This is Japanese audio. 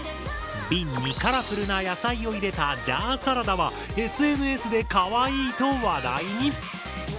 ビンにカラフルな野菜を入れた「ジャーサラダ」はＳＮＳでかわいいと話題に！